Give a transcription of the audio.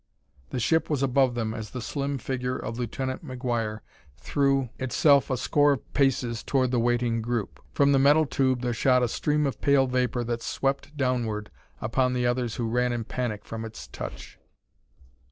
The ship was above them as the slim figure of Lieutenant McGuire threw itself a score of paces toward the waiting group. From the metal tube there shot a stream of pale vapor that swept downward upon the others who ran in panic from its touch.